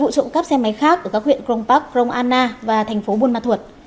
một mươi vụ trộn cắp xe máy khác ở các huyện crong park crong anna và thành phố buôn ma thuột